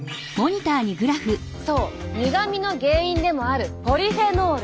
そう苦みの原因でもあるポリフェノール。